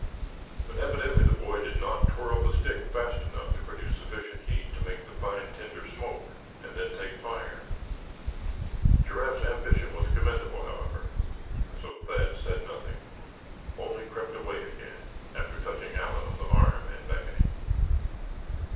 But evidently the boy did not twirl the stick fast enough to produce sufficient heat to make the fine tinder smoke, and then take fire. Giraffe's ambition was commendable, however, and so Thad said nothing; only crept away again, after touching Allan on the arm, and beckoning.